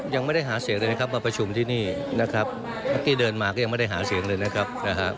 ยังไม่ได้หาเสียงเลยนะครับมาประชุมที่นี่นะครับเมื่อกี้เดินมาก็ยังไม่ได้หาเสียงเลยนะครับ